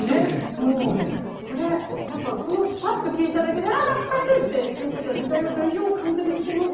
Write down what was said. もうこれやっぱパッと聞いただけで「あっ懐かしい！」っていうことは時代を代表完全にしてますし。